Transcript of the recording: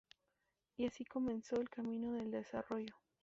Y así comenzó el camino del desarrollo.